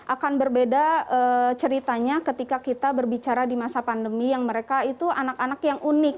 akan berbeda ceritanya ketika kita berbicara di masa pandemi yang mereka itu anak anak yang unik